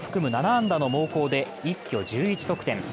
７安打の猛攻で一挙１１得点。